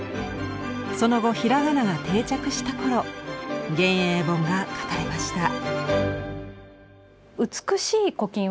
その後平仮名が定着した頃「元永本」が書かれました。